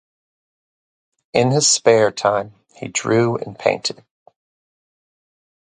In his spare time, he drew and painted.